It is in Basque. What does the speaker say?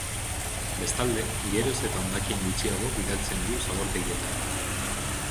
Bestalde, geroz eta hondakin gutxiago bidaltzen du zabortegietara.